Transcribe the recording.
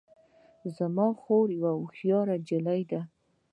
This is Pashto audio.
زما خور یوه هوښیاره نجلۍ ده